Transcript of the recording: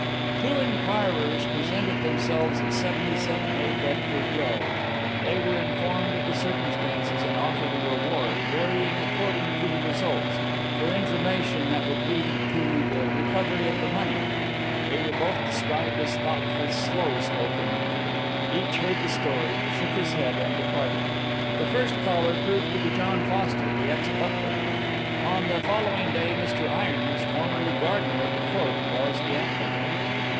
"Two inquirers presented themselves at 77a Bedford Row. They were informed of the circumstances and offered a reward, varying according to the results, for information that would lead to the recovery of the money. They are both described as thoughtful, slow spoken men. Each heard the story, shook his head, and departed. The first caller proved to be John Foster, the ex butler. On the following day Mr Irons, formerly gardener at the Court, was the applicant.